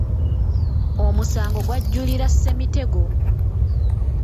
Omusango gw’ajulira Ssemitego.